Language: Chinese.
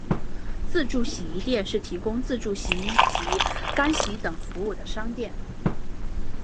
自助洗衣店是提供自助洗衣及干衣等服务的商店。